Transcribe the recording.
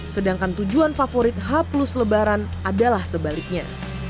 sedangkan tujuan favorit h plus lebaran adalah sebaliknya